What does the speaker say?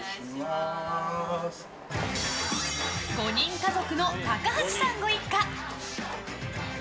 ５人家族の高橋さんご一家。